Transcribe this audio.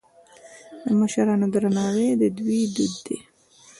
د مشرانو درناوی د دوی دود دی.